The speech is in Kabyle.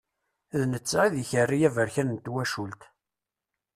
D netta i d ikerri aberkan n twacult.